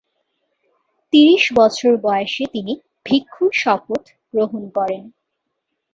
তিরিশ বছর বয়সে তিনি ভিক্ষুর শপথ গ্রহণ করেন।